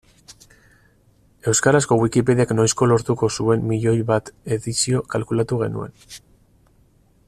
Euskarazko Wikipediak noizko lortuko zuen miloi bat edizio kalkulatu genuen.